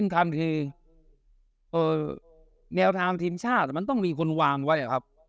มันทำคือเอ่อแนวทำทีมชาติมันต้องมีคนวางไว้ครับ